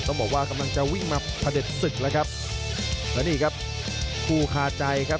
ต้องบอกว่ากำลังจะวิ่งมาพระเด็จศึกแล้วครับแล้วนี่ครับคู่คาใจครับ